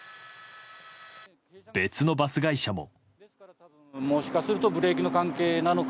別のバス会社も。